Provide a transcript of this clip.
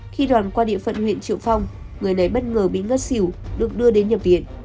khi đoàn qua địa phận huyện triệu phong người này bất ngờ bị ngất xỉu được đưa đến nhập viện